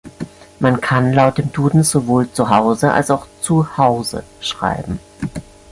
Man kann laut dem Duden sowohl "zuhause" als auch "zu Hause" schreiben.